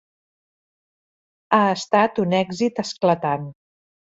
Ha estat un èxit esclatant.